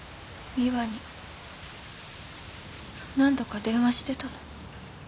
美羽に何度か電話してたの。